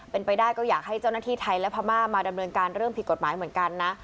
เป็นไปได้ก็อยากให้เจ้าหน้าที่ไทยและพม่ามาดำเนินการเรื่องผิดกฎหมายเหมือนกันนะ